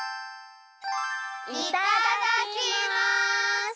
いただきます！